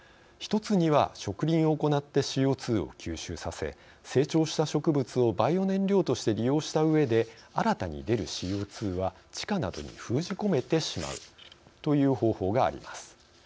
１つには、植林を行ってＣＯ２を吸収させ成長した植物をバイオ燃料として利用したうえで新たに出るＣＯ２は地下などに封じ込めてしまうという方法があります。